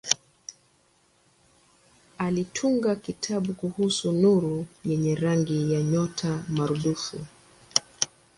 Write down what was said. Alitunga kitabu kuhusu nuru yenye rangi ya nyota maradufu.